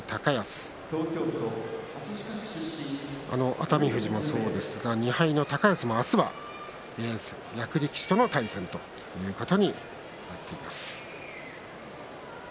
熱海富士もそうですが２敗の高安も明日は役力士との対戦ということになっています。